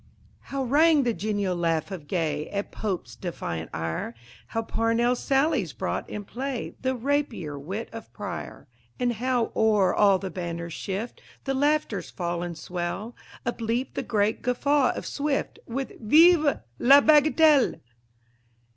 _" How rang the genial laugh of Gay At Pope's defiant ire! How Parnell's sallies brought in play The rapier wit of Prior! And how o'er all the banter's shift The laughter's fall and swell Upleaped the great guffaw of Swift, With "_Vive la bagatelle!